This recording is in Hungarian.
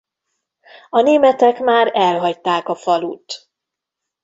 A németek már elhagyták a falut.